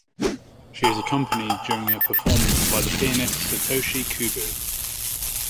She is accompanied during her performance by the pianist Satoshi Kubo.